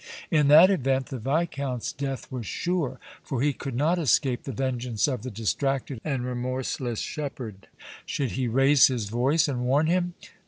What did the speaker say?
In that event the Viscount's death was sure, for he could not escape the vengeance of the distracted and remorseless shepherd! Should he raise his voice and warn him?